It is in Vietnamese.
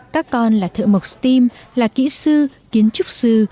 các con là thợ mộc steam là kỹ sư kiến trúc sư